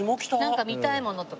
なんか見たいものとか。